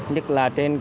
nhất là trên kế hoạch